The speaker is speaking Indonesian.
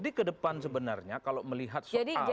ke depan sebenarnya kalau melihat soal